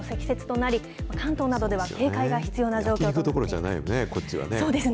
焼き肉どころじゃないですよね、こっちはね。